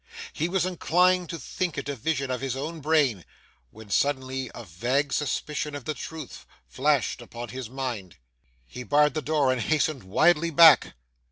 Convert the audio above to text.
He was inclined to think it a vision of his own brain, when suddenly a vague suspicion of the truth flashed upon his mind. He barred the door, and hastened wildly back.